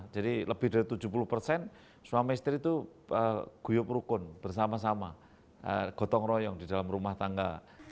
jadi lebih dari tujuh puluh persen suami istri itu guyup rukun bersama sama gotong royong di dalam rumah tangga